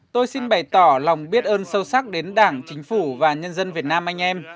tôi xin bày tỏ lòng biết ơn sâu sắc đến đảng chính phủ và nhân dân việt nam anh em